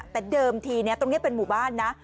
แต่เดิมทีตรงนี้เป็นหมู่บ้านนะ